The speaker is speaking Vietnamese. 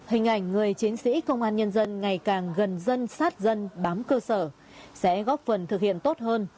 hình ảnh người chiến sĩ công an nhân dân ngày càng gần dân sát dân bám cơ sở sẽ góp phần thực hiện tốt hơn